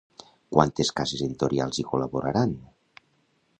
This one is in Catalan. Quantes cases editorials hi col·laboraran?